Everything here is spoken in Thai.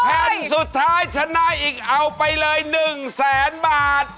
แผ่นสุดท้ายชนะอีกเอาไปเลย๑แสนบาท